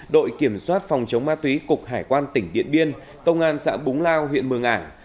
đội kiểm soát phòng chống ma túy cục hải quan tỉnh điện biên công an xã búng lao huyện mường ảng